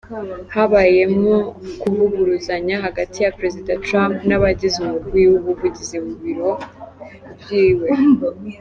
Habayemwo kuvuguruzanya hagati ya perezida Trump n'abagize umugwi w'ubuvugizi mu biro vyiwe.